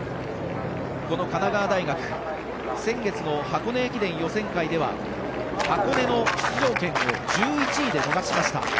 この神奈川大学先月の箱根駅伝予選会では箱根の出場権を１１位で逃しました。